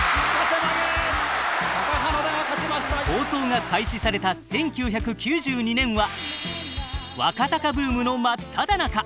放送が開始された１９９２年は若貴ブームの真っただ中。